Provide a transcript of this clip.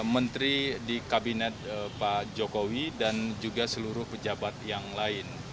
menteri di kabinet pak jokowi dan juga seluruh pejabat yang lain